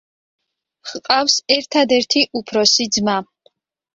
ჰყავს ერთადერთი უფროსი ძმა.